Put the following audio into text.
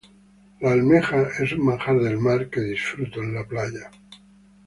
La almeja es un manjar del mar que disfruto en la playa.